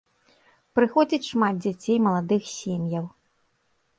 Прыходзіць шмат дзяцей, маладых сем'яў.